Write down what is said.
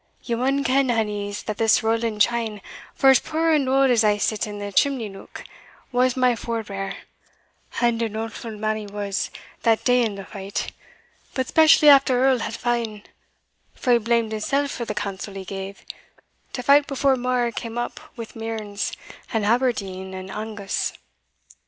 Ye maun ken, hinnies, that this Roland Cheyne, for as poor and auld as I sit in the chimney neuk, was my forbear, and an awfu' man he was that dayin the fight, but specially after the Earl had fa'en, for he blamed himsell for the counsel he gave, to fight before Mar came up wi' Mearns, and Aberdeen, and Angus."